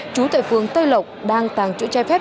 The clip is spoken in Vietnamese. trú tại phường tây lộc đang tàng trữ trái phép